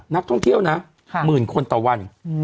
นักท่องเที่ยวนะหมื่นคนต่อวัน